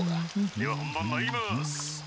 「では本番まいります。